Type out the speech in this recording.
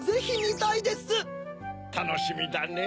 たのしみだねぇ！